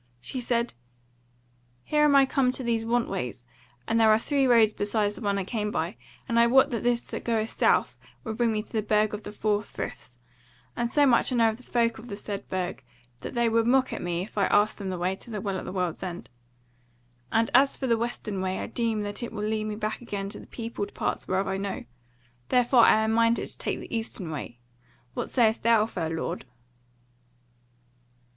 She said: "Here am I come to these want ways, and there are three roads besides the one I came by, and I wot that this that goeth south will bring me to the Burg of the Four Friths; and so much I know of the folk of the said Burg that they would mock at me if I asked them of the way to the Well at the World's End. And as for the western way I deem that that will lead me back again to the peopled parts whereof I know; therefore I am minded to take the eastern way. What sayest thou, fair lord?"